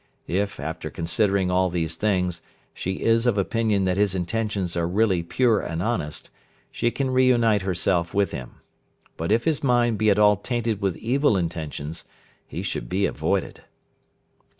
If, after considering all these things, she is of opinion that his intentions are really pure and honest, she can re unite herself with him. But if his mind be at all tainted with evil intentions, he should be avoided.